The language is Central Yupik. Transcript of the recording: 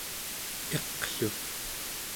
iqlu